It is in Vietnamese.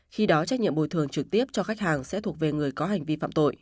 khi đó trách nhiệm bồi thường trực tiếp cho khách hàng sẽ thuộc về người có hành vi phạm tội